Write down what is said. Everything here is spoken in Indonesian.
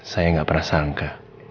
saya gak pernah sangka